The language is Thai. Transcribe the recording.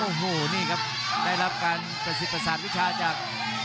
โอ้โหนี่ครับได้รับการประสิทธิประสาทวิชาจาก